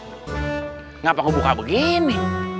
kenapa aku buka begini